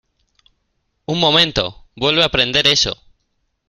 ¡ Un momento! ¡ vuelve a prender eso !